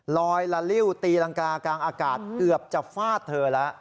ละลิ้วตีรังกากลางอากาศเกือบจะฟาดเธอแล้ว